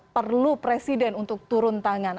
perlu presiden untuk turun tangan